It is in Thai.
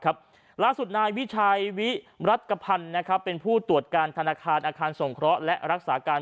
ล่าสุดนายวิชัยวิรัติกภัณฑ์เป็นผู้ตรวจการธนาคารอาคารสงเคราะห์และรักษาการ